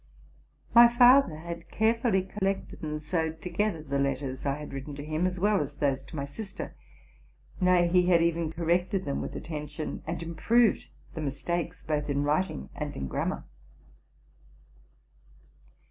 . My father had carefully collected and sewed together the letters I had written to him, as well as those to my sister; nay, he had even corrected them with attention, and improved the mistakes, both in writing and in grammar.